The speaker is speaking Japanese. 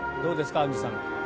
アンジュさん。